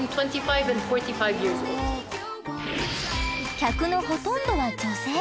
客のほとんどは女性。